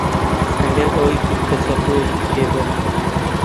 سەنگەر ئەوەی گوت کە چەقۆیەکی پێبووە.